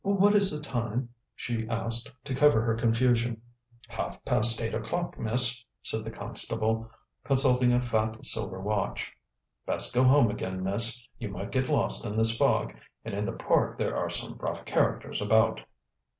"What is the time?" she asked, to cover her confusion. "Half past eight o'clock, miss," said the constable, consulting a fat silver watch. "Best go home again, miss. You might get lost in this fog, and in the Park there are some rough characters about."